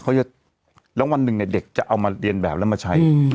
จะแล้ววันหนึ่งเนี่ยเด็กจะเอามาเรียนแบบแล้วมาใช้